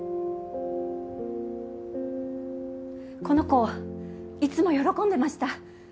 この子いつも喜んでました。